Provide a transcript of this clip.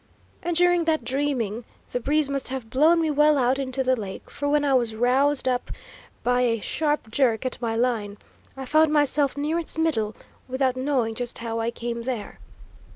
And during that dreaming, the breeze must have blown me well out into the lake, for when I was roused up by a sharp jerk at my line, I found myself near its middle, without knowing just how I came there.